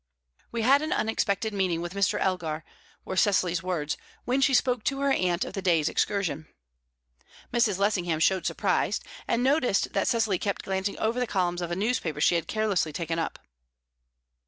"We had an unexpected meeting with Mr. Elgar," were Cecily's words, when she spoke to her aunt of the day's excursion. Mrs. Lessingham showed surprise, and noticed that Cecily kept glancing over the columns of a newspaper she had carelessly taken up.